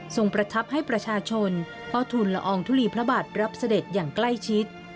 ประทับให้ประชาชนเฝ้าทุนละอองทุลีพระบาทรับเสด็จอย่างใกล้ชิด